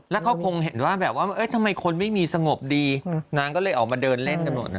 แล้วเขาคงเห็นว่าแบบว่าทำไมคนไม่มีสงบดีนางก็เลยออกมาเดินเล่นกันหมดนะ